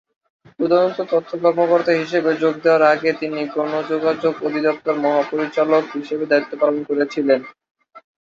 প্রধান তথ্য কর্মকর্তা হিসেবে যোগ দেওয়ার আগে তিনি গণযোগাযোগ অধিদপ্তরের মহাপরিচালক হিসেবে দায়িত্ব পালন করেছিলেন।